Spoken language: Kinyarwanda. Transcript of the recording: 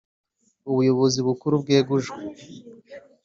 Ubuyobozi Bukuru bwegujwe